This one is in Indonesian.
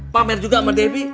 pamer juga sama debi